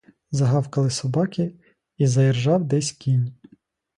Загавкали собаки, і заіржав десь кінь.